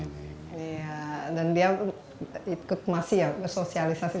dan dia masih yang bersosialisasi